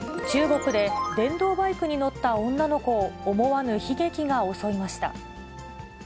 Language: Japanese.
中国で電動バイクに乗った女の子を、思わぬ悲劇が襲いました。